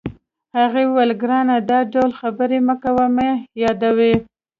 هغې وویل: ګرانه، دا ډول خبرې مه کوه، مه یې یادوه.